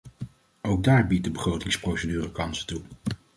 Ook daar biedt de begrotingsprocedure kansen toe.